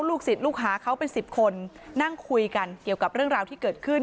ศิษย์ลูกหาเขาเป็น๑๐คนนั่งคุยกันเกี่ยวกับเรื่องราวที่เกิดขึ้น